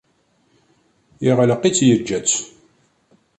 Yeɣelq-itt, yeğğa-tt.